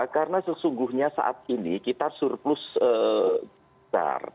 karena sesungguhnya saat ini kita surplus besar